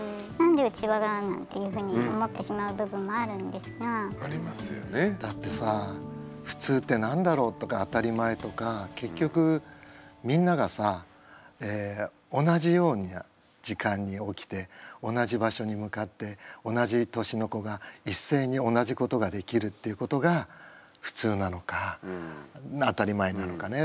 だから近所もすごい密集してるのでだってさ普通って何だろうとか当たり前とか結局みんながさ同じような時間に起きて同じ場所に向かって同じ年の子が一斉に同じことができるっていうことが普通なのか当たり前なのかね